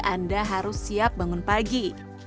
anda harus siap bangun pagi